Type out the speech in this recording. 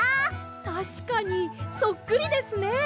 たしかにそっくりですね。